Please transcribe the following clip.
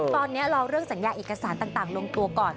ตอนนี้รอเรื่องสัญญาเอกสารต่างลงตัวก่อน